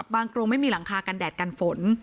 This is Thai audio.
กรงไม่มีหลังคากันแดดกันฝน